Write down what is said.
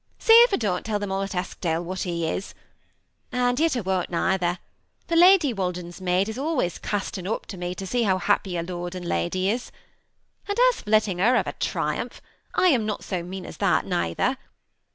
See if I don't tell them all at Eskdale what he is ; and yet I wpn't neither, for Lady WakLen's maid is always casting up to me how happy her lord and lady is. And as for letting her have a triumph, I am not so mean as that neither.